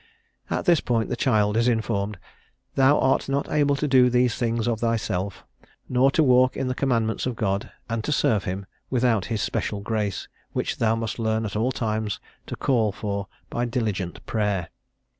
At this point the child is informed: "Thou art not able to do these things of thyself, nor to walk in the commandments of God, and to serve him, without his special grace; which thou must learn at all times to call for by diligent prayer."